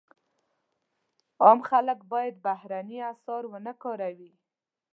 عام خلک باید بهرني اسعار ونه کاروي.